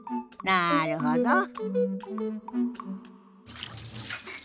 なるほど。